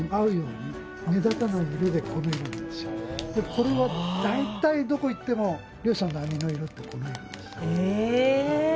これは大体どこ行っても漁師さんの網の色ってこの色です。